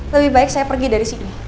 lebih baik saya pergi dari sini